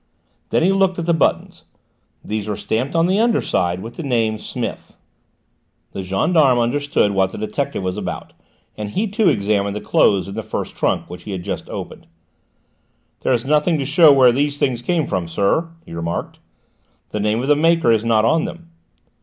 Then he looked at the buttons; these were stamped on the under side with the name Smith. The gendarme understood what the detective was about, and he too examined the clothes in the first trunk which he had just opened. "There is nothing to show where these things came from, sir," he remarked. "The name of the maker is not on them."